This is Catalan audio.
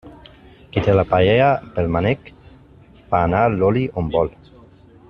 Qui té la paella pel mànec, fa anar l'oli on vol.